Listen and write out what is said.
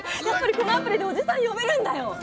やっぱりこのアプリでおじさん呼べるんだよ。